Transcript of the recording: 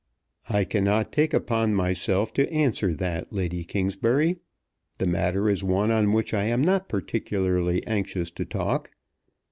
"I cannot take upon myself to answer that, Lady Kingsbury. The matter is one on which I am not particularly anxious to talk.